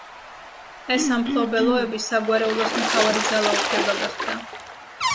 ეს სამფლობელოები საგვარეულოს მთავარი ძალაუფლება გახდა.